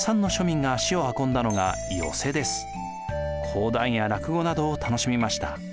講談や落語などを楽しみました。